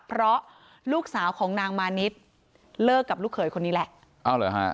เพราะลูกสาวของนางมาณิชค์เลิกกับลูกเขยคนนี้แหละ